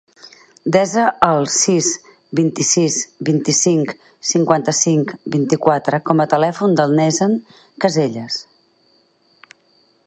Desa el sis, vint-i-sis, vint-i-cinc, cinquanta-cinc, vint-i-quatre com a telèfon del Neizan Casellas.